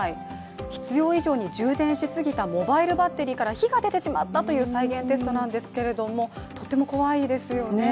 必要以上に充電しすぎたモバイルバッテリーから火が出てしまったという再現テストなんですけれどもとても怖いですよね。